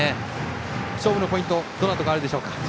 勝負のポイントはどんなところでしょうか。